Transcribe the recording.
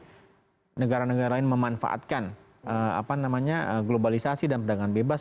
jadi negara negara lain memanfaatkan globalisasi dan perdagangan bebas